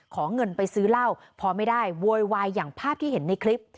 ขอเงินไปซื้อเหล้าพอไม่ได้โวยวายอย่างภาพที่เห็นในคลิป